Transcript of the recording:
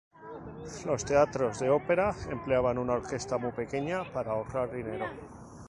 Los teatros de ópera empleaban una orquesta muy pequeña para ahorrar dinero.